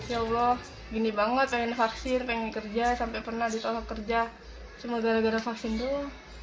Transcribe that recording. ya allah gini banget pengen vaksin pengen kerja sampai pernah ditolak kerja cuma gara gara vaksin doang